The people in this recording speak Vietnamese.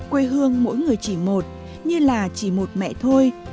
quê hương mỗi người chỉ một như là chỉ một mẹ thôi